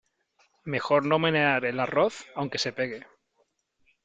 Mejor no menear el arroz aunque se pegue.